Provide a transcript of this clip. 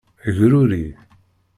Gruri.